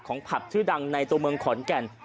ผับชื่อดังในตัวเมืองขอนแก่น